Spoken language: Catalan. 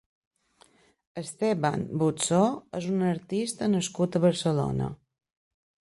Esteban Buxó és un artista nascut a Barcelona.